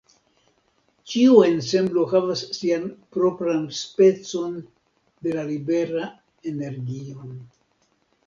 Ĉiu ensemblo havas sian propran specon de la libera energion.